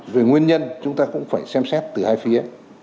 về nguyên nhân chúng ta cũng phải xem xét từ hai phía